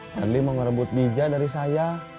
padli mau ngerebut dija dari saya